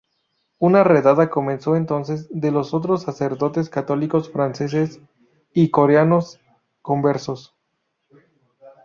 Una redada comenzó entonces de los otros sacerdotes católicos franceses y coreanos conversos.